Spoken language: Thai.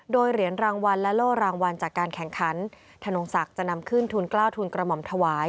โดยเหรียญรางวัลและโล่รางวัลจากการแข่งขันธนงศักดิ์จะนำขึ้นทุนกล้าวทุนกระหม่อมถวาย